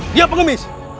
dia apa gemis